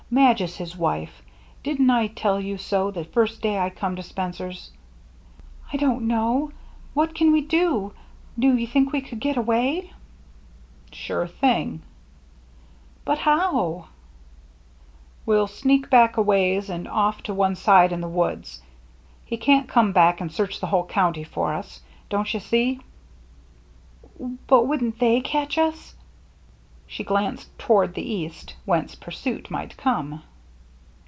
Madge is his wife. Didn't I tell you so the first day I come to Spencer's ?" "I don't know. What can we do? Do you think we could get away ?"" Sure thing." " But how ?" 302 THE MERRy ANNE " We'll sneak back a ways and off to one side in the woods. He can't come back and search the whole county for us. Don't you see?" "But wouldn't they catch us?" She glanced toward the east, whence pursuit might come.